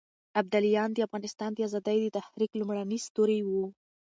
ابداليان د افغانستان د ازادۍ د تحريک لومړني ستوري وو.